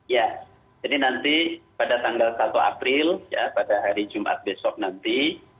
ya jadi nanti pada tanggal satu april ya pada hari jumat besok nanti